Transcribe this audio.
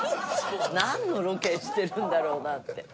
なんのロケしてるんだろうなって。